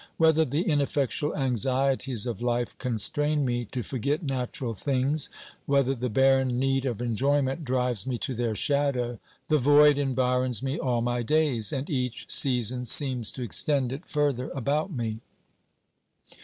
Whether the in effectual anxieties of life constrain me to forget natural things, wliether the barren need of enjoyment drives me to their shadow, the void environs me all my days, and each season seems to extend it further about me.